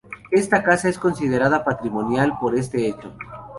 Esta casa es considerada patrimonial por este hecho.